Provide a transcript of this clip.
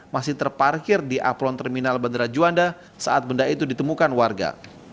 masih terparkir di apron terminal bandara juanda saat benda itu ditemukan warga